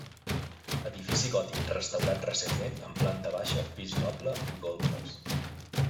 Edifici gòtic restaurat recentment, amb planta baixa, pis noble i golfes.